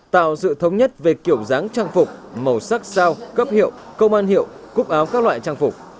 tạo sự thống nhất về kiểu dáng trang phục màu sắc sao cấp hiệu công an hiệu cúc áo các loại trang phục